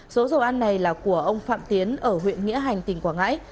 số dầu ăn này là của ông phạm tiến ở huyện nghĩa hành tỉnh quảng ngãi